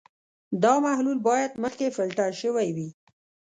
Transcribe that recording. دا محلول باید مخکې فلټر شوی وي.